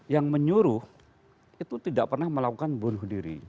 yang menyuruh itu tidak pernah melakukan bunuh diri